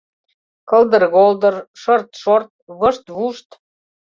Кылдыр-голдыр, шырт-шорт, вышт-вушт...